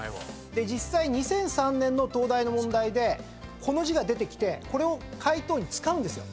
実際２００３年の東大の問題でこの字が出てきてこれを解答に使うんですよ。